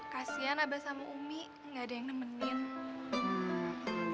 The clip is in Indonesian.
kasian abah sama umi gak ada yang nemenin